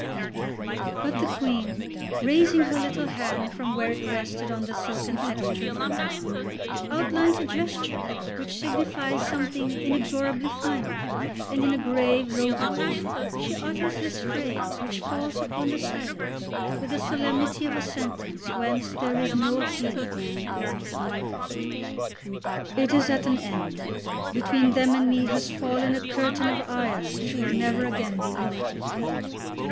But the Queen, raising her little hand from where it rested on the silken texture of her gown, outlines a gesture which signifies something inexorably final, and in a grave, low voice she utters this phrase which falls upon the silence with the solemnity of a sentence whence there is no appeal: "It is at an end. Between them and me has fallen a curtain of iron which will never again be lifted."